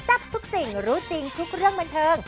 ทับทุกสิ่งรู้จริงทุกเรื่องบันเทิง